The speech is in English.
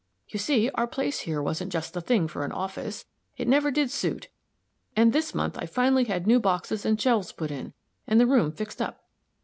You see, our place here wasn't just the thing for an office; it never did suit, and this month, I finally had new boxes and shelves put in, and the room fixed up.